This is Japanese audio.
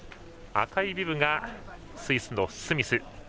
赤いビブがスイスのスミス。